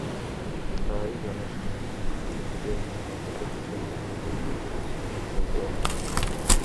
তাই জনসংখ্যা বৃদ্ধির হার কমাতে কিশোর-কিশোরীদের প্রতি বিশেষ মনোযোগ দেওয়া হচ্ছে।